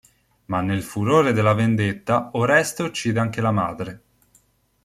Ma nel furore della vendetta, Oreste uccide anche la madre.